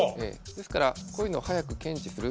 ですからこういうのを早く検知する。